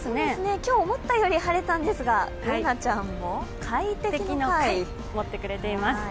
今日、思ったより晴れたんですがＢｏｏｎａちゃんも、快適の「快」持ってくれています。